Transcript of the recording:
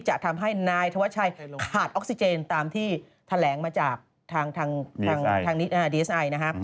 จะทำให้นายธวัชชัยขาดออกซิเจนตามที่แถลงมาจากทางดีเอสไอนะครับ